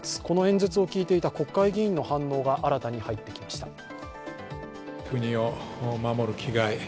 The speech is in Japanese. この演説を聞いていた国会議員の反応が新たに入ってきました。